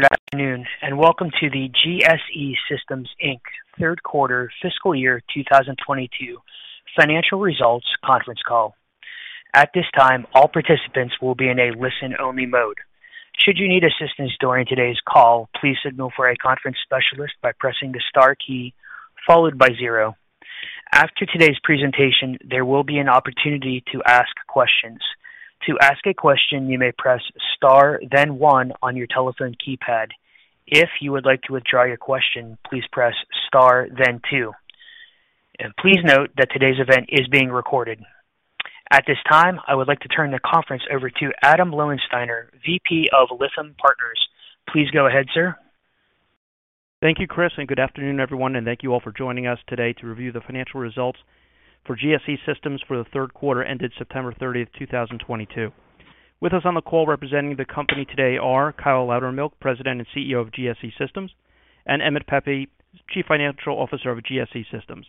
Good afternoon, and welcome to the GSE Systems, Inc. third quarter fiscal year 2022 financial results conference call. At this time, all participants will be in a listen-only mode. Should you need assistance during today's call, please signal for a conference specialist by pressing the star key followed by zero. After today's presentation, there will be an opportunity to ask questions. To ask a question, you may press star then one on your telephone keypad. If you would like to withdraw your question, please press star then two. Please note that today's event is being recorded. At this time, I would like to turn the conference over to Adam Lowensteiner, VP of Lytham Partners. Please go ahead, sir. Thank you, Chris, and good afternoon, everyone, and thank you all for joining us today to review the financial results for GSE Systems for the third quarter ended September 30, 2022. With us on the call representing the company today are Kyle Loudermilk, President and CEO of GSE Systems, and Emmett Pepe, Chief Financial Officer of GSE Systems.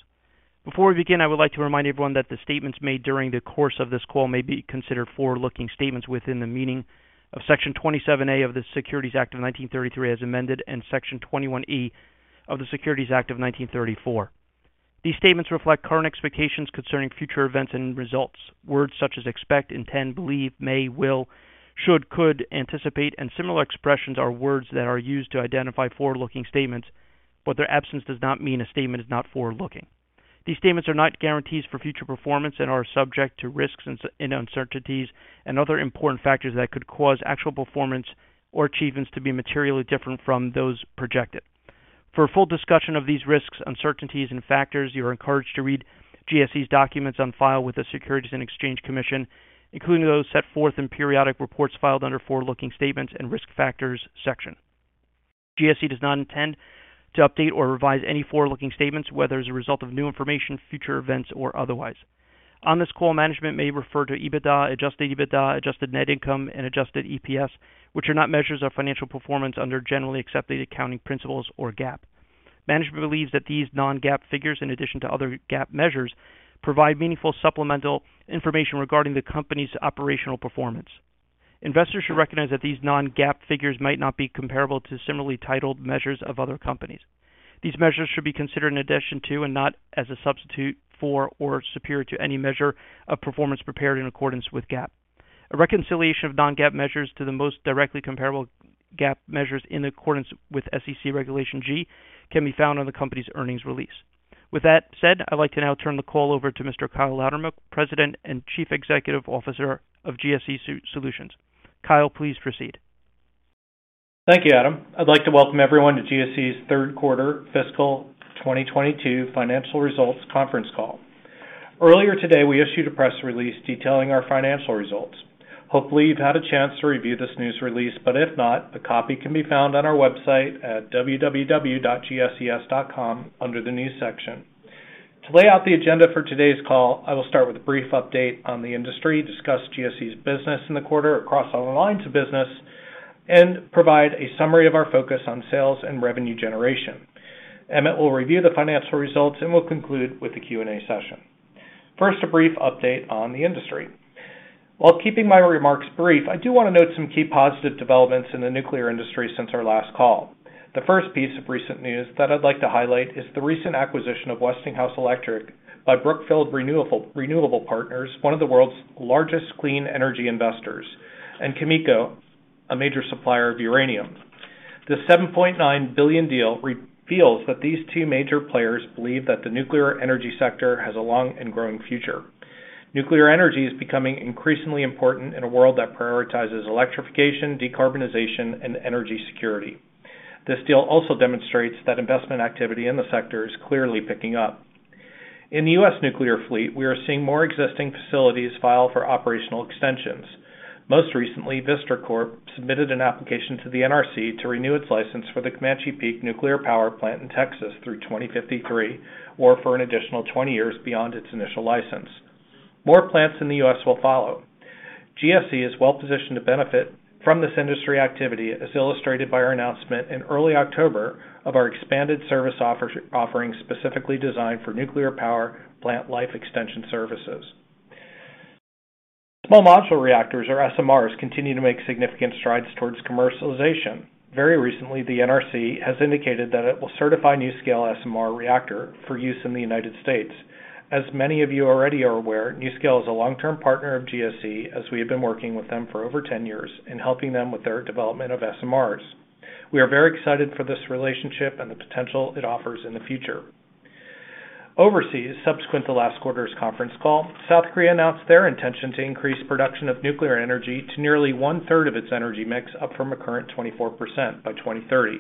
Before we begin, I would like to remind everyone that the statements made during the course of this call may be considered forward-looking statements within the meaning of Section 27A of the Securities Act of 1933, as amended, and Section 21E of the Securities Act of 1934. These statements reflect current expectations concerning future events and results. Words such as expect, intend, believe, may, will, should, could, anticipate, and similar expressions are words that are used to identify forward-looking statements, but their absence does not mean a statement is not forward-looking. These statements are not guarantees for future performance and are subject to risks and uncertainties and other important factors that could cause actual performance or achievements to be materially different from those projected. For a full discussion of these risks, uncertainties and factors, you are encouraged to read GSE's documents on file with the Securities and Exchange Commission, including those set forth in periodic reports filed under Forward-Looking Statements and Risk Factors section. GSE does not intend to update or revise any forward-looking statements, whether as a result of new information, future events or otherwise. On this call, management may refer to EBITDA, Adjusted EBITDA, adjusted net income, and adjusted EPS, which are not measures of financial performance under generally accepted accounting principles or GAAP. Management believes that these non-GAAP figures, in addition to other GAAP measures, provide meaningful supplemental information regarding the company's operational performance. Investors should recognize that these non-GAAP figures might not be comparable to similarly titled measures of other companies. These measures should be considered in addition to and not as a substitute for or superior to any measure of performance prepared in accordance with GAAP. A reconciliation of non-GAAP measures to the most directly comparable GAAP measures in accordance with SEC Regulation G can be found on the company's earnings release. With that said, I'd like to now turn the call over to Mr. Kyle Loudermilk, President and Chief Executive Officer of GSE Solutions. Kyle, please proceed. Thank you, Adam. I'd like to welcome everyone to GSE's third quarter fiscal 2022 financial results conference call. Earlier today, we issued a press release detailing our financial results. Hopefully, you've had a chance to review this news release, but if not, a copy can be found on our website at www.gses.com under the News section. To lay out the agenda for today's call, I will start with a brief update on the industry, discuss GSE's business in the quarter across all the lines of business, and provide a summary of our focus on sales and revenue generation. Emmett will review the financial results, and we'll conclude with the Q&A session. First, a brief update on the industry. While keeping my remarks brief, I do want to note some key positive developments in the nuclear industry since our last call. The first piece of recent news that I'd like to highlight is the recent acquisition of Westinghouse Electric by Brookfield Renewable Partners, one of the world's largest clean energy investors, and Cameco, a major supplier of uranium. The $7.9 billion deal reveals that these two major players believe that the nuclear energy sector has a long and growing future. Nuclear energy is becoming increasingly important in a world that prioritizes electrification, decarbonization, and energy security. This deal also demonstrates that investment activity in the sector is clearly picking up. In the U.S. nuclear fleet, we are seeing more existing facilities file for operational extensions. Most recently, Vistra Corp submitted an application to the NRC to renew its license for the Comanche Peak Nuclear Power Plant in Texas through 2053, or for an additional 20 years beyond its initial license. More plants in the U.S. will follow. GSE is well positioned to benefit from this industry activity, as illustrated by our announcement in early October of our expanded service offering specifically designed for nuclear power plant life extension services. Small modular reactors or SMRs continue to make significant strides towards commercialization. Very recently, the NRC has indicated that it will certify NuScale SMR reactor for use in the United States. As many of you already are aware, NuScale is a long-term partner of GSE, as we have been working with them for over 10 years in helping them with their development of SMRs. We are very excited for this relationship and the potential it offers in the future. Overseas, subsequent to last quarter's conference call, South Korea announced their intention to increase production of nuclear energy to nearly one-third of its energy mix, up from a current 24% by 2030.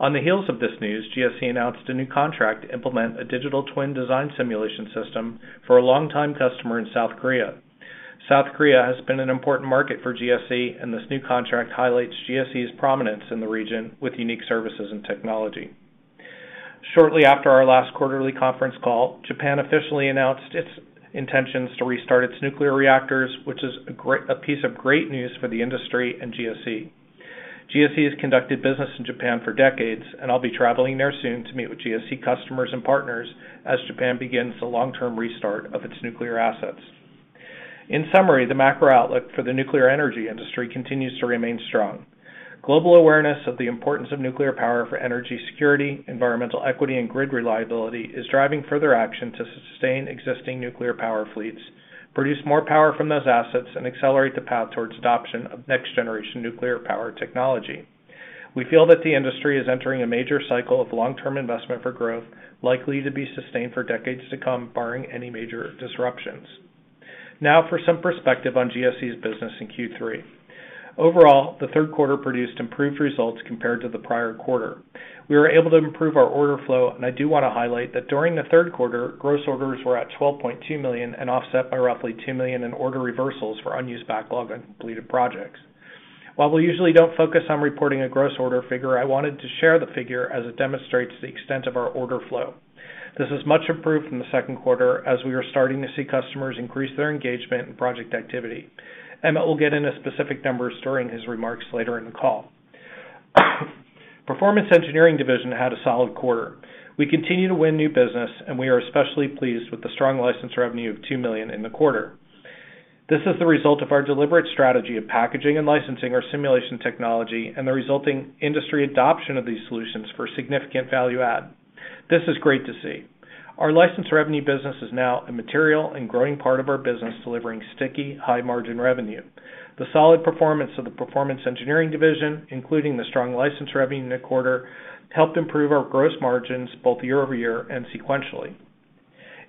On the heels of this news, GSE announced a new contract to implement a digital twin design simulation system for a long-time customer in South Korea. South Korea has been an important market for GSE, and this new contract highlights GSE's prominence in the region with unique services and technology. Shortly after our last quarterly conference call, Japan officially announced its intentions to restart its nuclear reactors, which is a piece of great news for the industry and GSE. GSE has conducted business in Japan for decades, and I'll be traveling there soon to meet with GSE customers and partners as Japan begins the long-term restart of its nuclear assets. In summary, the macro outlook for the nuclear energy industry continues to remain strong. Global awareness of the importance of nuclear power for energy security, environmental equity, and grid reliability is driving further action to sustain existing nuclear power fleets, produce more power from those assets, and accelerate the path towards adoption of next generation nuclear power technology. We feel that the industry is entering a major cycle of long-term investment for growth, likely to be sustained for decades to come, barring any major disruptions. Now for some perspective on GSE's business in Q3. Overall, the third quarter produced improved results compared to the prior quarter. We were able to improve our order flow, and I do want to highlight that during the third quarter, gross orders were at $12.2 million and offset by roughly $2 million in order reversals for unused backlog on completed projects. While we usually don't focus on reporting a gross order figure, I wanted to share the figure as it demonstrates the extent of our order flow. This is much improved from the second quarter as we are starting to see customers increase their engagement and project activity. Emmett will get into specific numbers during his remarks later in the call. Performance Improvement Solutions had a solid quarter. We continue to win new business, and we are especially pleased with the strong license revenue of $2 million in the quarter. This is the result of our deliberate strategy of packaging and licensing our simulation technology and the resulting industry adoption of these solutions for significant value add. This is great to see. Our license revenue business is now a material and growing part of our business, delivering sticky, high margin revenue. The solid performance of the performance engineering division, including the strong license revenue in the quarter, helped improve our gross margins both year-over-year and sequentially.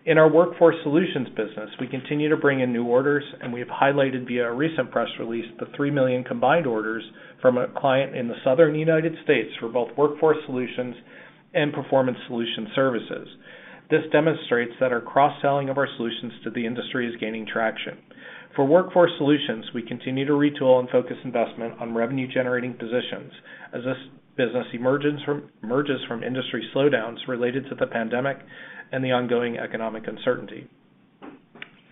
In our Workforce Solutions business, we continue to bring in new orders, and we have highlighted via a recent press release the 3 million combined orders from a client in the Southern United States for both Workforce Solutions and Performance Improvement Solutions. This demonstrates that our cross-selling of our solutions to the industry is gaining traction. For Workforce Solutions, we continue to retool and focus investment on revenue generating positions as this business emerges from industry slowdowns related to the pandemic and the ongoing economic uncertainty.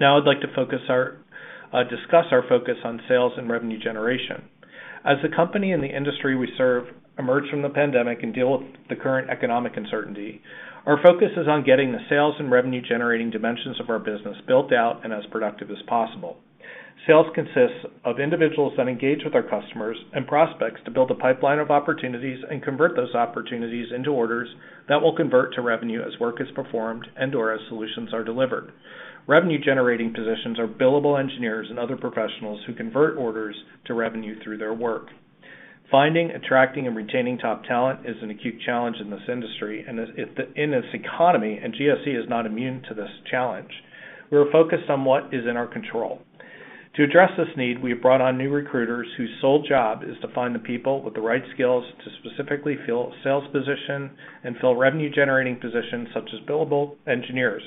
Now I'd like to discuss our focus on sales and revenue generation. As the company and the industry we serve emerge from the pandemic and deal with the current economic uncertainty, our focus is on getting the sales and revenue generating dimensions of our business built out and as productive as possible. Sales consists of individuals that engage with our customers and prospects to build a pipeline of opportunities and convert those opportunities into orders that will convert to revenue as work is performed and/or as solutions are delivered. Revenue generating positions are billable engineers and other professionals who convert orders to revenue through their work. Finding, attracting, and retaining top talent is an acute challenge in this industry and in this economy, and GSE is not immune to this challenge. We are focused on what is in our control. To address this need, we have brought on new recruiters whose sole job is to find the people with the right skills to specifically fill a sales position and fill revenue generating positions such as billable engineers.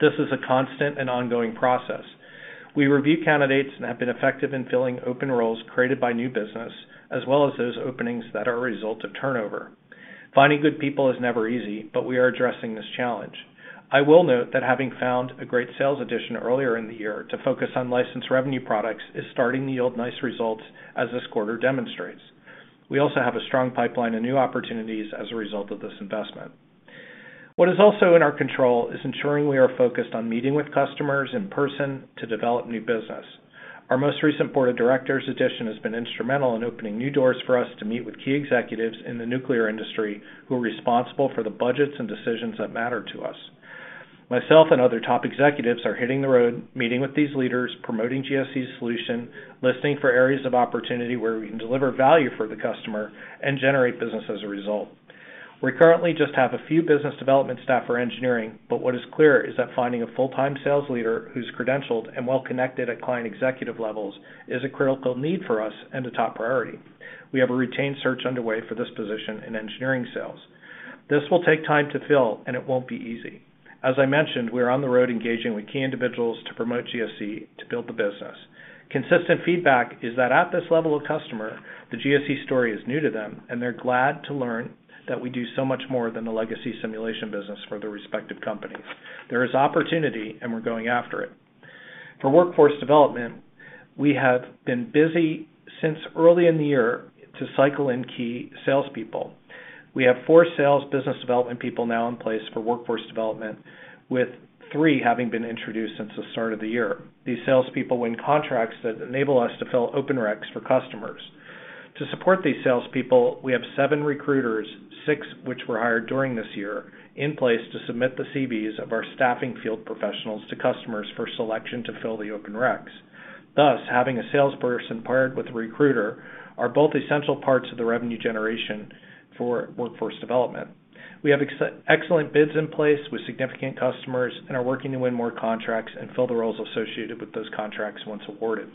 This is a constant and ongoing process. We review candidates and have been effective in filling open roles created by new business, as well as those openings that are a result of turnover. Finding good people is never easy, but we are addressing this challenge. I will note that having found a great sales addition earlier in the year to focus on license revenue products is starting to yield nice results, as this quarter demonstrates. We also have a strong pipeline and new opportunities as a result of this investment. What is also in our control is ensuring we are focused on meeting with customers in person to develop new business. Our most recent Board of Directors addition has been instrumental in opening new doors for us to meet with key executives in the nuclear industry who are responsible for the budgets and decisions that matter to us. Myself and other top executives are hitting the road, meeting with these leaders, promoting GSE's solution, listening for areas of opportunity where we can deliver value for the customer and generate business as a result. We currently just have a few business development staff for engineering, but what is clear is that finding a full-time sales leader who's credentialed and well-connected at client executive levels is a critical need for us and a top priority. We have a retained search underway for this position in engineering sales. This will take time to fill, and it won't be easy. As I mentioned, we are on the road engaging with key individuals to promote GSE to build the business. Consistent feedback is that at this level of customer, the GSE story is new to them, and they're glad to learn that we do so much more than the legacy simulation business for the respective companies. There is opportunity, and we're going after it. For workforce development, we have been busy since early in the year to cycle in key salespeople. We have four sales business development people now in place for workforce development, with three having been introduced since the start of the year. These salespeople win contracts that enable us to fill open reqs for customers. To support these salespeople, we have 7 recruiters, 6 which were hired during this year, in place to submit the CVs of our staffing field professionals to customers for selection to fill the open reqs. Thus, having a salesperson paired with a recruiter are both essential parts of the revenue generation for workforce development. We have excellent bids in place with significant customers and are working to win more contracts and fill the roles associated with those contracts once awarded.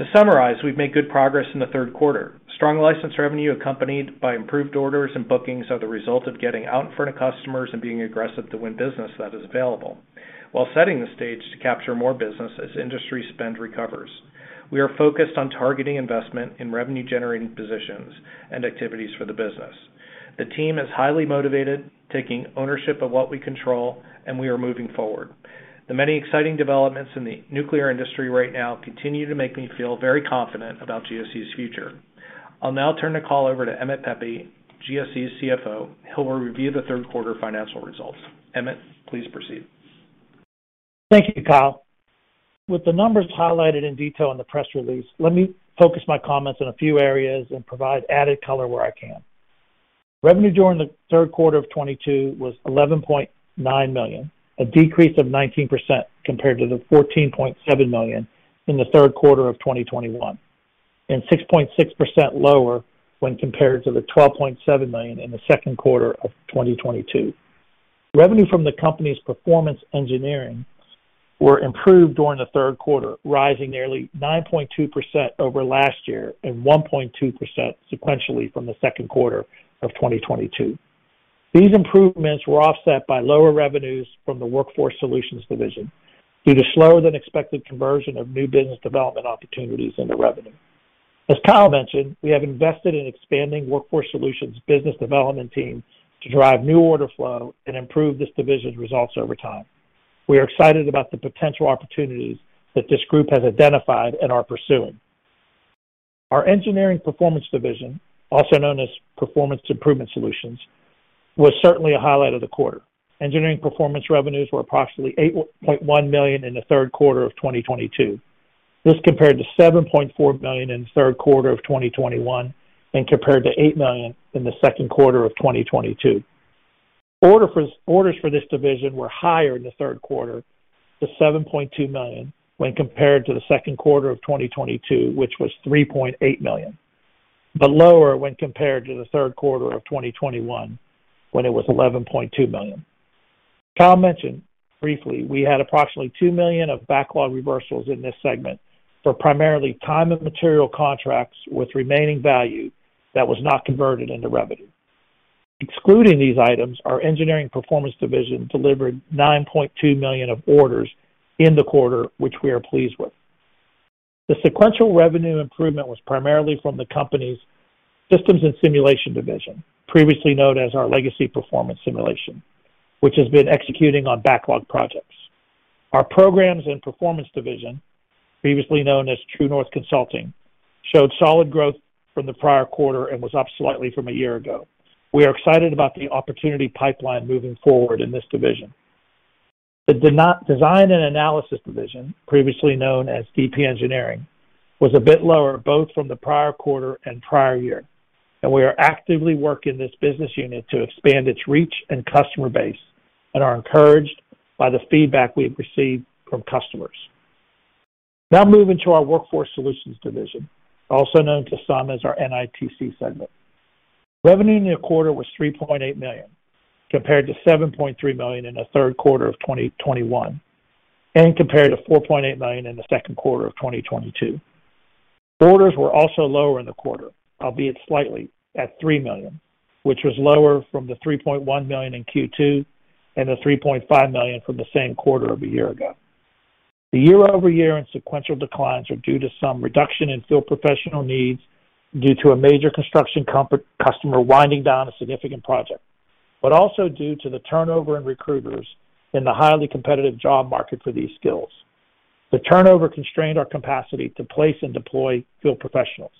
To summarize, we've made good progress in the third quarter. Strong license revenue accompanied by improved orders and bookings are the result of getting out in front of customers and being aggressive to win business that is available while setting the stage to capture more business as industry spend recovers. We are focused on targeting investment in revenue generating positions and activities for the business. The team is highly motivated, taking ownership of what we control, and we are moving forward. The many exciting developments in the nuclear industry right now continue to make me feel very confident about GSE's future. I'll now turn the call over to Emmett Pepe, GSE's CFO. He will review the third quarter financial results. Emmett, please proceed. Thank you, Kyle. With the numbers highlighted in detail in the press release, let me focus my comments in a few areas and provide added color where I can. Revenue during the third quarter of 2022 was $11.9 million, a decrease of 19% compared to the $14.7 million in the third quarter of 2021, and 6.6% lower when compared to the $12.7 million in the second quarter of 2022. Revenue from the company's Performance Improvement Solutions were improved during the third quarter, rising nearly 9.2% over last year and 1.2% sequentially from the second quarter of 2022. These improvements were offset by lower revenues from the Workforce Solutions division due to slower than expected conversion of new business development opportunities into revenue. As Kyle mentioned, we have invested in expanding Workforce Solutions business development team to drive new order flow and improve this division's results over time. We are excited about the potential opportunities that this group has identified and are pursuing. Our engineering performance division, also known as Performance Improvement Solutions, was certainly a highlight of the quarter. Engineering performance revenues were approximately $8.1 million in the third quarter of 2022. This compared to $7.4 million in the third quarter of 2021 and compared to $8 million in the second quarter of 2022. Orders for this division were higher in the third quarter to $7.2 million when compared to the second quarter of 2022, which was $3.8 million, but lower when compared to the third quarter of 2021 when it was $11.2 million. Kyle mentioned briefly we had approximately $2 million of backlog reversals in this segment for primarily time and material contracts with remaining value that was not converted into revenue. Excluding these items, our engineering performance division delivered $9.2 million of orders in the quarter, which we are pleased with. The sequential revenue improvement was primarily from the company's systems and simulation division, previously known as our legacy performance simulation, which has been executing on backlog projects. Our programs and performance division, previously known as True North Consulting, showed solid growth from the prior quarter and was up slightly from a year ago. We are excited about the opportunity pipeline moving forward in this division. The design and analysis division, previously known as DP Engineering, was a bit lower both from the prior quarter and prior year, and we are actively working this business unit to expand its reach and customer base and are encouraged by the feedback we've received from customers. Now moving to our Workforce Solutions division, also known to some as our NITC segment. Revenue in the quarter was $3.8 million, compared to $7.3 million in the third quarter of 2021 and compared to $4.8 million in the second quarter of 2022. Orders were also lower in the quarter, albeit slightly, at $3 million, which was lower from the $3.1 million in Q2 and the $3.5 million from the same quarter of a year ago. The year-over-year and sequential declines are due to some reduction in field professional needs due to a major construction customer winding down a significant project, but also due to the turnover in recruiters in the highly competitive job market for these skills. The turnover constrained our capacity to place and deploy field professionals.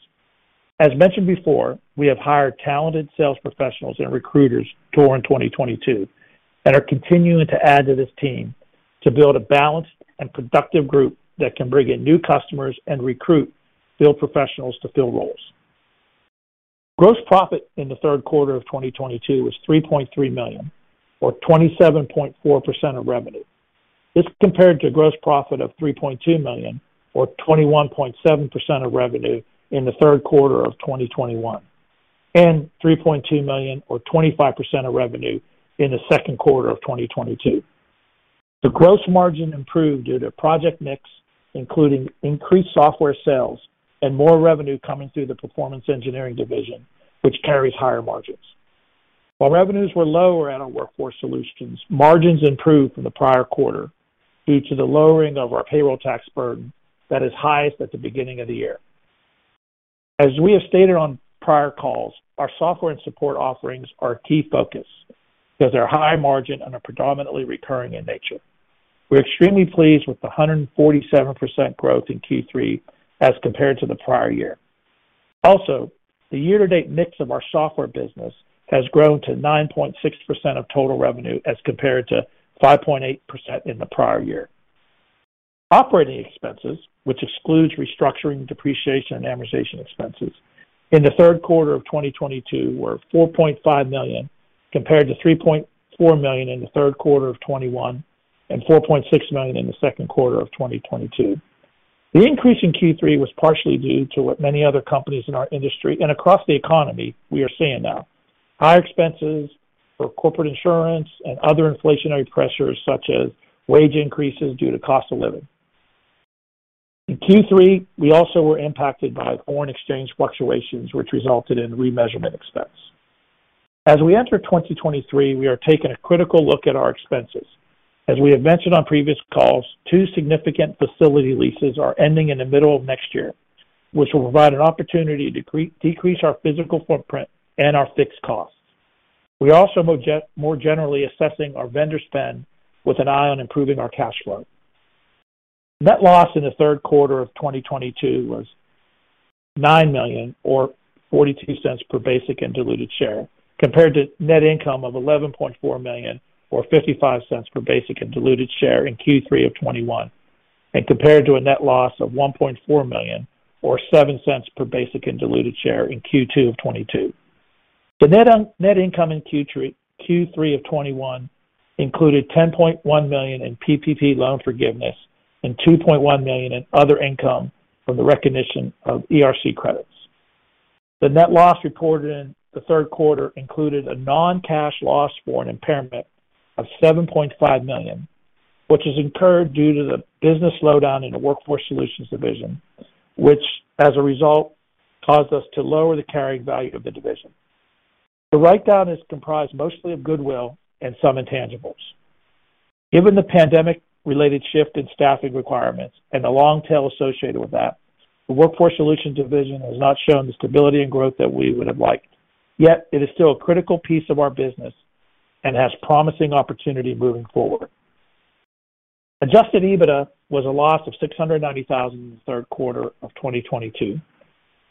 As mentioned before, we have hired talented sales professionals and recruiters during 2022 and are continuing to add to this team to build a balanced and productive group that can bring in new customers and recruit field professionals to fill roles. Gross profit in the third quarter of 2022 was $3.3 million or 27.4% of revenue. This compared to gross profit of $3.2 million or 21.7% of revenue in the third quarter of 2021, and $3.2 million or 25% of revenue in the second quarter of 2022. The gross margin improved due to project mix, including increased software sales and more revenue coming through the Performance Improvement Solutions, which carries higher margins. While revenues were lower at our Workforce Solutions, margins improved from the prior quarter due to the lowering of our payroll tax burden that is highest at the beginning of the year. As we have stated on prior calls, our software and support offerings are a key focus because they're high margin and are predominantly recurring in nature. We're extremely pleased with the 147% growth in Q3 as compared to the prior year. Also, the year-to-date mix of our software business has grown to 9.6% of total revenue as compared to 5.8% in the prior year. Operating expenses, which excludes restructuring, depreciation, and amortization expenses, in the third quarter of 2022 were $4.5 million, compared to $3.4 million in the third quarter of 2021 and $4.6 million in the second quarter of 2022. The increase in Q3 was partially due to what many other companies in our industry and across the economy we are seeing now. Higher expenses for corporate insurance and other inflationary pressures, such as wage increases due to cost of living. In Q3, we also were impacted by foreign exchange fluctuations which resulted in remeasurement expense. As we enter 2023, we are taking a critical look at our expenses. As we have mentioned on previous calls, two significant facility leases are ending in the middle of next year, which will provide an opportunity to decrease our physical footprint and our fixed costs. We also more generally assessing our vendor spend with an eye on improving our cash flow. Net loss in the third quarter of 2022 was $9 million or $0.42 per basic and diluted share, compared to net income of $11.4 million or $0.55 per basic and diluted share in Q3 of 2021, and compared to a net loss of $1.4 million or $0.07 per basic and diluted share in Q2 of 2022. The net income in Q3 of 2021 included $10.1 million in PPP loan forgiveness and $2.1 million in other income from the recognition of ERC credits. The net loss recorded in the third quarter included a non-cash loss for an impairment of $7.5 million, which is incurred due to the business slowdown in the Workforce Solutions division, which as a result caused us to lower the carrying value of the division. The write-down is comprised mostly of goodwill and some intangibles. Given the pandemic-related shift in staffing requirements and the long tail associated with that, the Workforce Solutions division has not shown the stability and growth that we would have liked. Yet it is still a critical piece of our business and has promising opportunity moving forward. Adjusted EBITDA was a loss of $690,000 in the third quarter of 2022,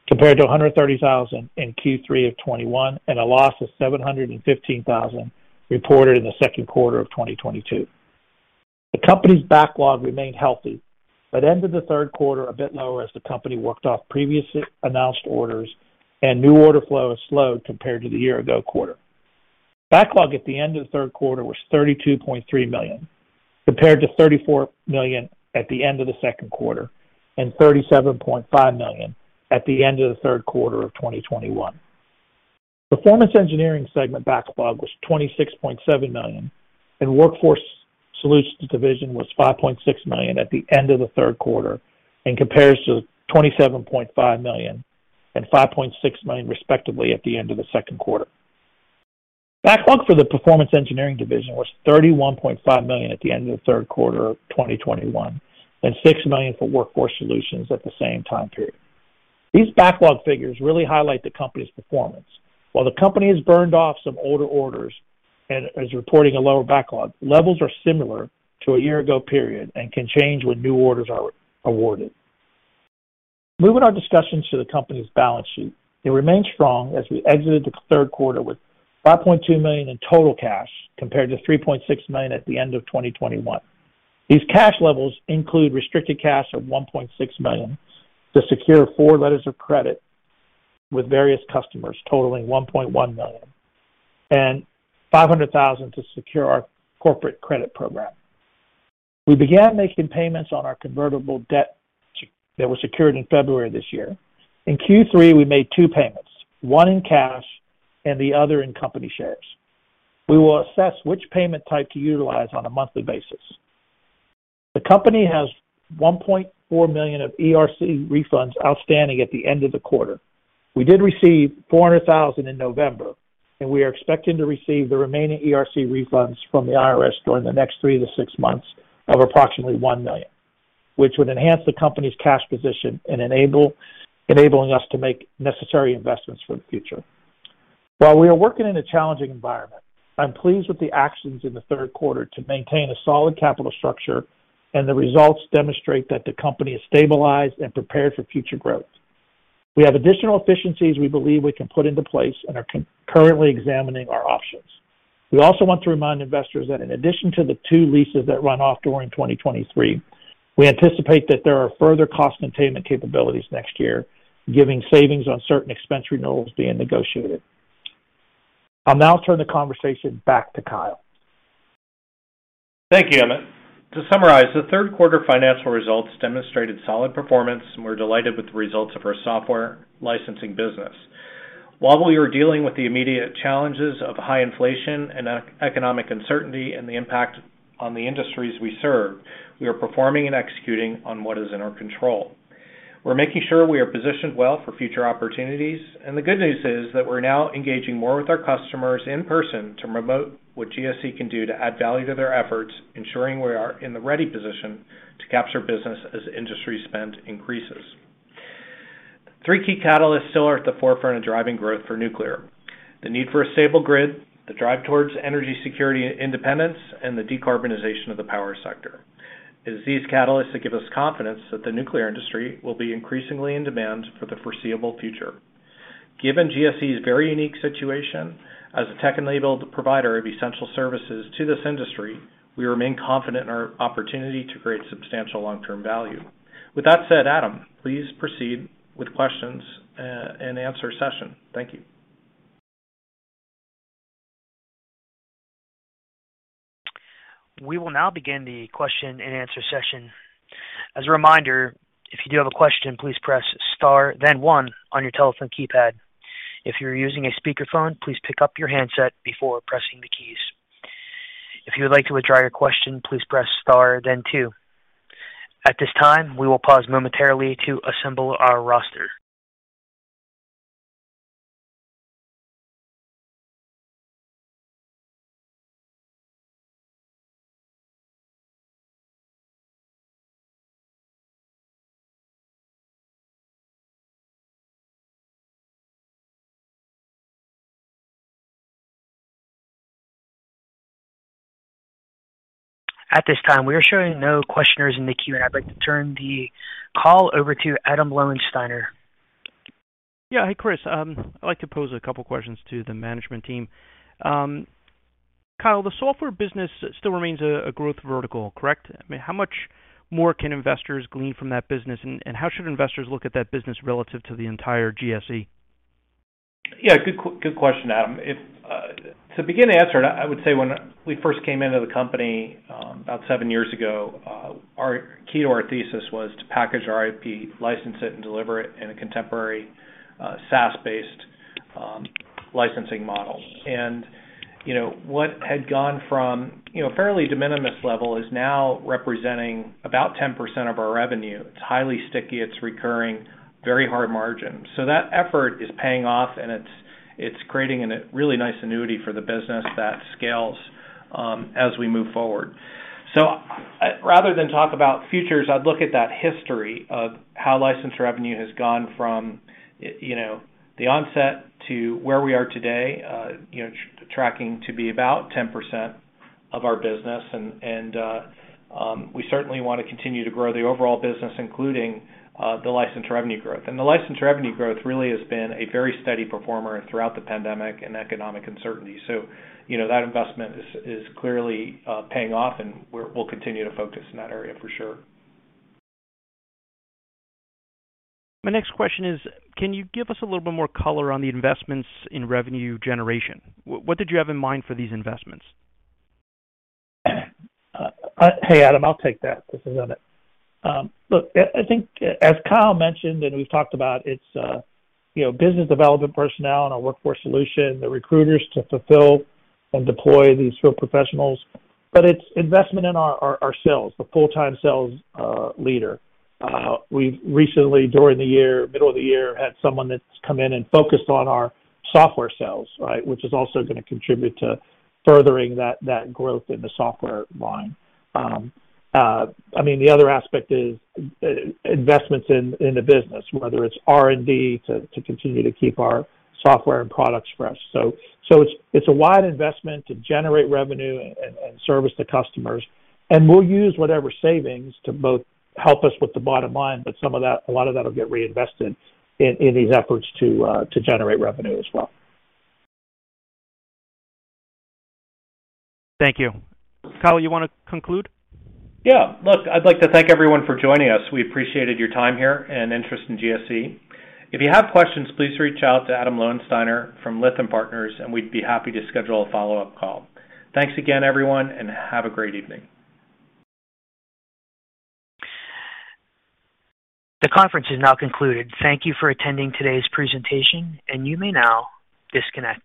compared to $130,000 in Q3 of 2021 and a loss of $715,000 reported in the second quarter of 2022. The company's backlog remained healthy, but ended the third quarter a bit lower as the company worked off previously announced orders and new order flow has slowed compared to the year-ago quarter. Backlog at the end of the third quarter was $32.3 million, compared to $34 million at the end of the second quarter and $37.5 million at the end of the third quarter of 2021. Performance Improvement Solutions segment backlog was $26.7 million, and Workforce Solutions division was $5.6 million at the end of the third quarter and compares to $27.5 million and $5.6 million respectively at the end of the second quarter. Backlog for the Performance Improvement Solutions division was $31.5 million at the end of the third quarter of 2021 and $6 million for Workforce Solutions at the same time period. These backlog figures really highlight the company's performance. While the company has burned off some older orders and is reporting a lower backlog, levels are similar to a year ago period and can change when new orders are awarded. Moving our discussions to the company's balance sheet, it remains strong as we exited the third quarter with $5.2 million in total cash compared to $3.6 million at the end of 2021. These cash levels include restricted cash of $1.6 million to secure four letters of credit with various customers totaling $1.1 million and $500,000 to secure our corporate credit program. We began making payments on our convertible debt that was secured in February of this year. In Q3, we made two payments, one in cash and the other in company shares. We will assess which payment type to utilize on a monthly basis. The company has $1.4 million of ERC refunds outstanding at the end of the quarter. We did receive $400,000 in November, and we are expecting to receive the remaining ERC refunds from the IRS during the next 3-6 months of approximately $1 million, which would enhance the company's cash position and enabling us to make necessary investments for the future. While we are working in a challenging environment, I'm pleased with the actions in the third quarter to maintain a solid capital structure, and the results demonstrate that the company is stabilized and prepared for future growth. We have additional efficiencies we believe we can put into place and are currently examining our options. We also want to remind investors that in addition to the two leases that run off during 2023, we anticipate that there are further cost containment capabilities next year, giving savings on certain expense renewals being negotiated. I'll now turn the conversation back to Kyle. Thank you, Emmett. To summarize, the third quarter financial results demonstrated solid performance, and we're delighted with the results of our software licensing business. While we are dealing with the immediate challenges of high inflation and economic uncertainty and the impact on the industries we serve, we are performing and executing on what is in our control. We're making sure we are positioned well for future opportunities, and the good news is that we're now engaging more with our customers in person to promote what GSE can do to add value to their efforts, ensuring we are in the ready position to capture business as industry spend increases. Three key catalysts still are at the forefront of driving growth for nuclear, the need for a stable grid, the drive towards energy security and independence, and the decarbonization of the power sector. It is these catalysts that give us confidence that the nuclear industry will be increasingly in demand for the foreseeable future. Given GSE's very unique situation as a tech-enabled provider of essential services to this industry, we remain confident in our opportunity to create substantial long-term value. With that said, Adam, please proceed with questions and answer session. Thank you. We will now begin the question and answer session. As a reminder, if you do have a question, please press star then one on your telephone keypad. If you're using a speaker phone, please pick up your handset before pressing the keys. If you would like to withdraw your question, please press star then two. At this time, we will pause momentarily to assemble our roster. At this time, we are showing no questioners in the queue, and I'd like to turn the call over to Adam Lowensteiner. Yeah. Hey, Chris. I'd like to pose a couple questions to the management team. Kyle, the software business still remains a growth vertical, correct? I mean, how much more can investors glean from that business and how should investors look at that business relative to the entire GSE? Yeah, good question, Adam. It's to begin to answer. I would say when we first came into the company, about seven years ago, our key to our thesis was to package our IP, license it, and deliver it in a contemporary, SaaS-based licensing model. You know, what had gone from, you know, fairly de minimis level is now representing about 10% of our revenue. It's highly sticky, it's recurring, very high margin. That effort is paying off, and it's creating a really nice annuity for the business that scales as we move forward. Rather than talk about futures, I'd look at that history of how license revenue has gone from, you know, the onset to where we are today, you know, tracking to be about 10% of our business. We certainly wanna continue to grow the overall business, including the license revenue growth. The license revenue growth really has been a very steady performer throughout the pandemic and economic uncertainty. You know, that investment is clearly paying off, and we'll continue to focus in that area for sure. My next question is, can you give us a little bit more color on the investments in revenue generation? What did you have in mind for these investments? Hey, Adam, I'll take that. This is Emmett. Look, I think as Kyle mentioned, and we've talked about, it's, you know, business development personnel in our workforce solution, the recruiters to fulfill and deploy these real professionals. It's investment in our sales, the full-time sales leader. We've recently, during the year, middle of the year, had someone that's come in and focused on our software sales, right? Which is also gonna contribute to furthering that growth in the software line. I mean, the other aspect is investments in the business, whether it's R&D to continue to keep our software and products fresh. It's a wide investment to generate revenue and service the customers. We'll use whatever savings to both help us with the bottom line, but some of that, a lot of that will get reinvested in these efforts to generate revenue as well. Thank you. Kyle, you wanna conclude? Yeah. Look, I'd like to thank everyone for joining us. We appreciated your time here and interest in GSE. If you have questions, please reach out to Adam Lowensteiner from Lytham Partners, and we'd be happy to schedule a follow-up call. Thanks again, everyone, and have a great evening. The conference is now concluded. Thank you for attending today's presentation, and you may now disconnect.